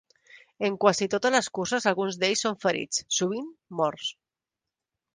En quasi totes les curses alguns d'ells són ferits, sovint morts.